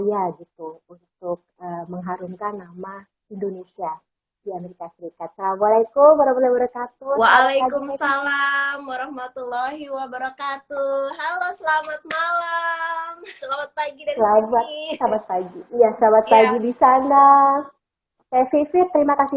dua puluh satu halo selamat malam selamat pagi dan selamat pagi selamat pagi di sana efek terima kasih